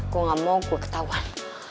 gue gak mau gue ketahuan